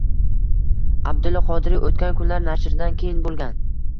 Abdulla Qodiriy “Oʻtgan kunlar” nashridan keyin bo'lgan